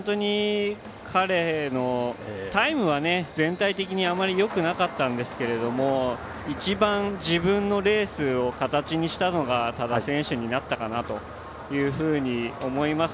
タイムは全体的にあまりよくなかったんですけれど一番、自分のレースを形にしたのが多田選手になったかなと思います。